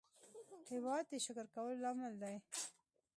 هېواد د شکر کولو لامل دی.